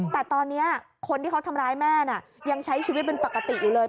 แต่ตอนนี้คนที่เขาทำร้ายแม่น่ะยังใช้ชีวิตเป็นปกติอยู่เลย